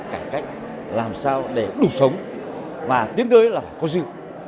cách làm sao để đủ sống mà tiến tới là có dự